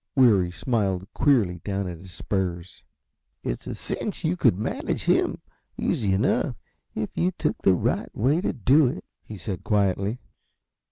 Weary smiled queerly down at his spurs. "It's a cinch you could manage him, easy enough, if you took the right way to do it," he said, quietly.